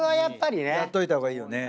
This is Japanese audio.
やっといた方がいいよね。